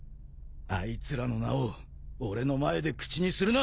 あいつらの名を俺の前で口にするな。